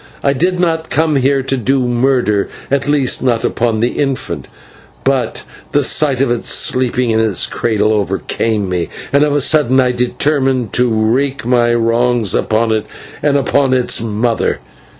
I did not come here to do murder, at least not upon the infant; but the sight of it sleeping in its cradle overcame me, and of a sudden I determined to wreak my wrongs upon it and upon its mother.